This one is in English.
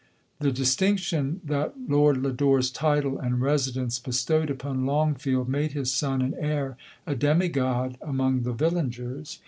The distinction that Lord Lodore's title and residence bestowed upon Longfield made his son and heir a demigod among the villagers.